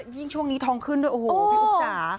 ยิ่งช่วงนี้ทองขึ้นด้วยโอ้โหพี่อุ๊บจ๋า